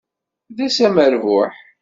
D ass amerbuḥ.